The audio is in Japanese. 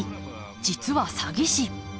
実は詐欺師。